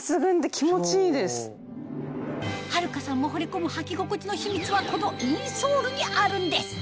春香さんもほれ込むはき心地の秘密はこのインソールにあるんです